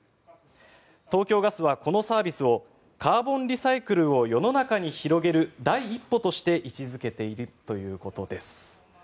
東京ガスは、このサービスをカーボンリサイクルを世の中に広げる第一歩として位置付けているということです。